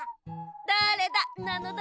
だれだ？なのだ。